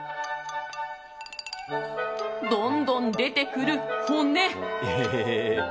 どんどん出てくる骨。